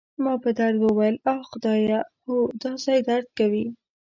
ما په درد وویل: اخ، خدایه، هو، دا ځای درد کوي.